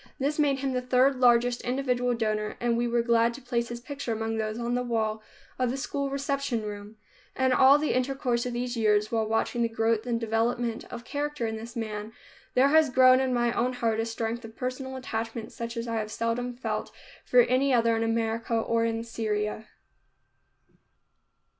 This made him the third largest individual donor and we were glad to place his picture among those on the wall of the school reception room. In all the intercourse of these years, while watching the growth and development of character in this man, there has grown in my own heart a strength of personal attachment such as I have seldom felt for any other in America or in Syria.